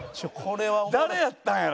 誰やったんやろ？